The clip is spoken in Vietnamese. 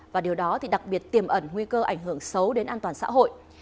và điều đó thì đặc biệt tiềm ẩn nguy cơ ảnh hưởng xấu đến an toàn xã hội